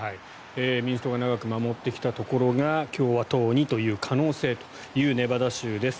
民主党が長く守ってきたところが共和党にという可能性というネバダ州です。